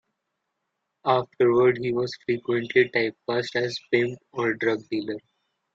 Afterward, he was frequently typecast as pimp or drug dealer.